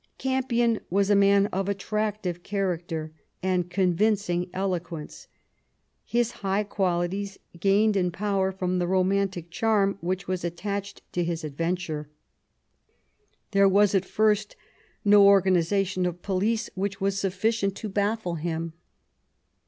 Campion was a man of attractive character, and convincing eloquence. His high qualities gained in power from the romantic charm which was at tached to his adventure. There was, at first, no organisation of police which was sufficient to baffle him.